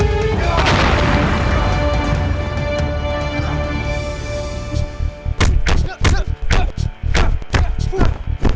stop apa yang kalian lakukan